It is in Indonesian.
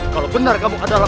kalau benar kamu adalah